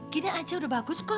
gini aja udah bagus kok